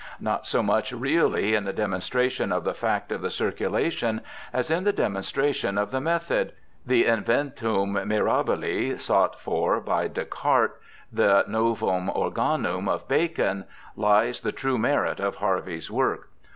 Not so much really in the demonstration of the fact of the circulation as in the demonstration of the method — the Inventum mirahile sought for by Descartes, the Novum Organimi of Bacon — lies the true merit of Harvey's work.